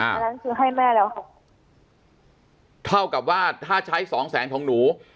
อันนั้นคือให้แม่แล้วค่ะเท่ากับว่าถ้าใช้สองแสนของหนู